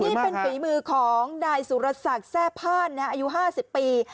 นี่เป็นฝีมือของนายสุรศักดิ์แทร่พ่านอายุ๕๐ปี